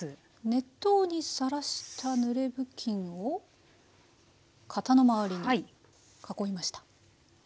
熱湯にさらしたぬれ布巾を型の周りに囲いました。